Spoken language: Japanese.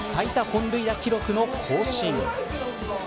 本塁打記録の更新。